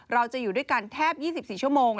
เราจะอยู่ด้วยกันแทบ๒๔ชั่วโมง